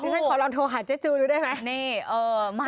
นี่ฉันขอลองโทรหาเจ๊จูนูก็ได้ไหมนี่เออมายรัชพร